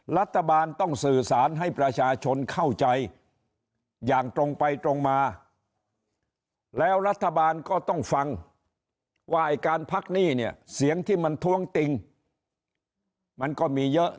รัฐบาลต้องสื่อสารให้ประชาชนเข้าใจอย่างตรงไปตรงมาแล้วรัฐบาลก็ต้องฟังว่าไอ้การพักหนี้เนี่ยเสียงที่มันท้วงติงมันก็มีเยอะ